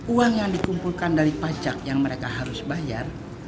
uang yang dikumpulkan dari pajak yang mereka harus bayar